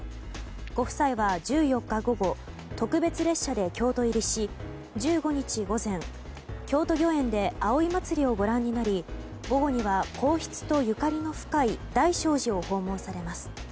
ご夫妻は１４日午後特別列車で京都入りし１５日午前、京都御苑で葵祭をご覧になり午後には、皇室とゆかりの深い大聖寺を訪問されます。